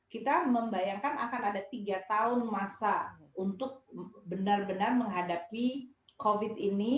kita membayangkan akan ada tiga tahun masa untuk benar benar menghadapi covid ini